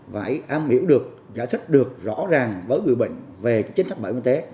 phải am hiểu được giải thích được rõ ràng với người bệnh về chính thức bệnh y tế